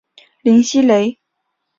林熙蕾。